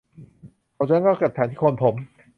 เขาชะงักจับฉันที่โคนผม